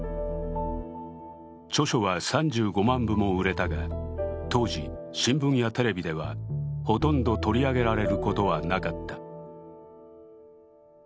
著書は３５万部も売れたが、当時新聞やテレビではほとんど取り上げられることはなかった。